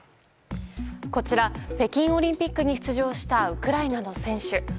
こちら北京オリンピックに出場したウクライナの選手。